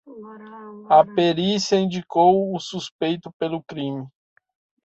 A perícia indicou o suspeito pelo crime.